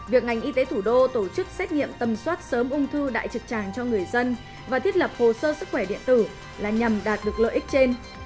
việc ngành y tế thủ đô tổ chức xét nghiệm tầm soát sớm ung thư đại trực tràng cho người dân và thiết lập hồ sơ sức khỏe điện tử là nhằm đạt được lợi ích trên